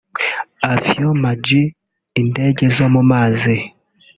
Avion Maji’(Indege zo mu mazi)